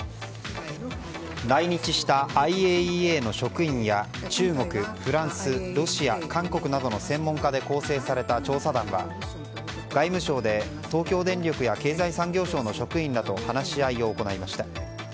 来日したＩＡＥＡの職員や中国、フランス、ロシア、韓国などの専門家で構成された調査団は外務省で、東京電力や経済産業省の職員らと話し合いを行いました。